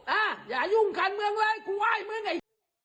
อ่าอย่ายุ่งกันเมืองเลยกูว่ายเมืองไอ้